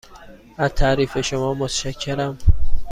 از تعریف شما متشکرم.